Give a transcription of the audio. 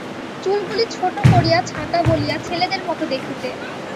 চুলগুলি ছোটো করিয়া ছাঁটা বলিয়া ছেলের মতো দেখিতে।